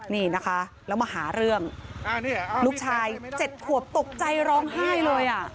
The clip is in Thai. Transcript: นี่นะคะแล้วมาหาเรื่องลูกชาย๗ขวบตกใจร้องไห้เลยอ่ะ